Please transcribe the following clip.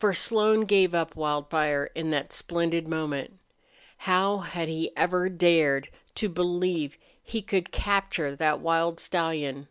For Slone gave up Wildfire in that splendid moment. How had he ever dared to believe he could capture that wild stallion?